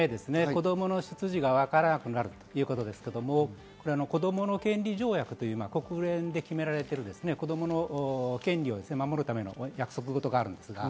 子供の出自がわからなくなるということですが、子供の権利条約という国連で決められている子供の権利を守るための約束事があります。